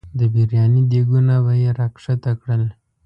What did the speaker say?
د برياني دیګونه به یې راښکته کړل.